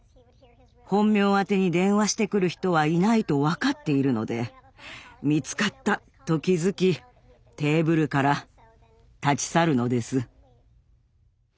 本名宛てに電話してくる人はいないと分かっているので見つかったと気付きテーブルから立ち去るのです。